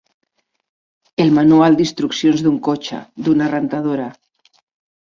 El manual d'instruccions d'un cotxe, d'una rentadora.